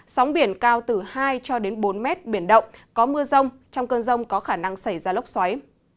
sóng biển cao từ hai cho đến bốn mét biển động có mưa rông trong cơn rông có khả năng xảy ra lốc xoáy